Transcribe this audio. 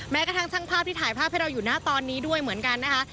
กระทั่งช่างภาพที่ถ่ายภาพให้เราอยู่หน้าตอนนี้ด้วยเหมือนกันนะคะ